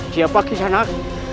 siapa kisah narik